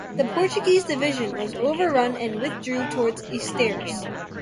The Portuguese division was overrun and withdrew towards Estaires.